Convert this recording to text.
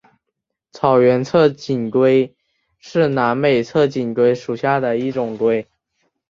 草原侧颈龟是南美侧颈龟属下的一种龟。